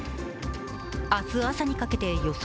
明日朝にかけて予想